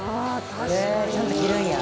大西：ちゃんと切るんや！